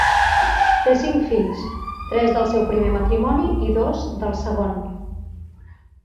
Té cinc fills, tres del seu primer matrimoni i dos del segon.